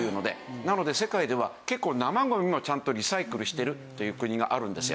なので世界では結構生ゴミもちゃんとリサイクルしてるという国があるんですよ。